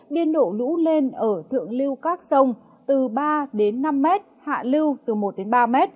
biên độ lũ lên ở thượng lưu các sông từ ba năm m hạ lưu từ một ba m